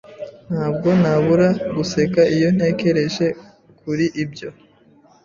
Ntabwo nabura guseka iyo ntekereje kuri ibyo.